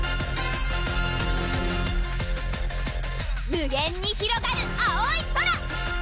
無限にひろがる青い空！